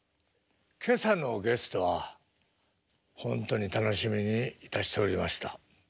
今朝のゲストは本当に楽しみにいたしておりました。